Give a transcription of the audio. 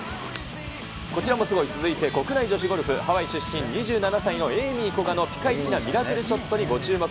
こちらもすごい、続いて国内女子ゴルフ、ハワイ出身、２７歳のエイミー・コガのピカイチなミラクルショットにご注目。